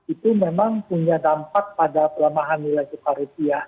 itu memang punya dampak pada pelemahan nilai tukar rupiah